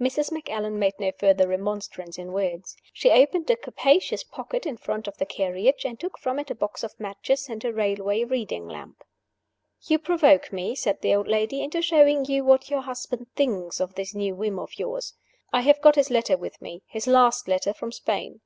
Mrs. Macallan made no further remonstrance in words. She opened a capacious pocket in front of the carriage, and took from it a box of matches and a railway reading lamp. "You provoke me," said the old lady, "into showing you what your husband thinks of this new whim of yours. I have got his letter with me his last letter from Spain.